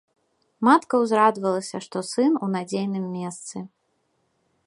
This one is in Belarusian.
Матка ўзрадавалася, што сын у надзейным месцы.